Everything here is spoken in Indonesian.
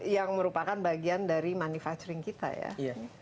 yang merupakan bagian dari manufacturing kita ya